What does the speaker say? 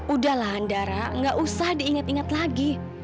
udahlah andara gak usah diingat ingat lagi